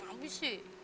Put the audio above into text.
nggak bisa sih